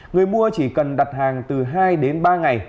người mua chỉ cần đặt hàng từ hai đến ba ngày